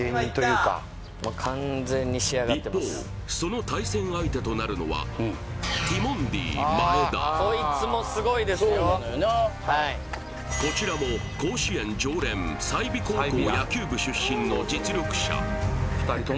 一方その対戦相手となるのはこちらも甲子園常連済美高校野球部出身の実力者